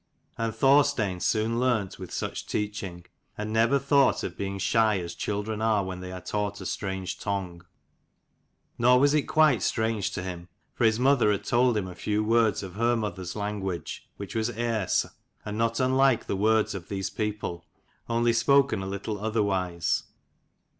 And Thorstein soon learnt with such teaching, and never thought of being shy as children are when they are taught a strange tongue. Nor was it quite strange to him : for his mother had told him a few words of her mother's language, 100 which was Erse, and not unlike the words of these people, only spoken a little otherwise.